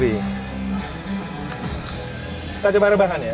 kita coba rebahan ya